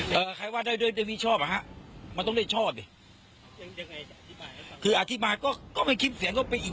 มีแต่ความจริงมาพูดกันคาถามันไม่มี